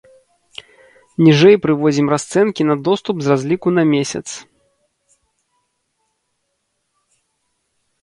Ніжэй прыводзім расцэнкі на доступ з разліку на месяц.